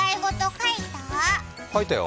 書いたよ。